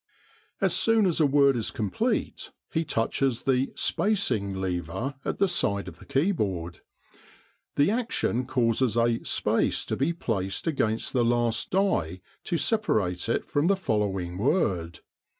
As soon as a word is complete, he touches the "spacing" lever at the side of the keyboard. The action causes a "space" to be placed against the last die to separate it from the following word.